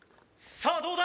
さあどうだ？